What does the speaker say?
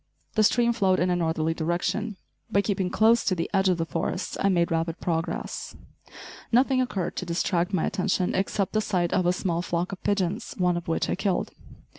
The stream flowed in a northerly direction. By keeping close to the edge of the forest I made rapid progress. Nothing occurred to distract my attention, except the sight of a small flock of pigeons, one of which I killed.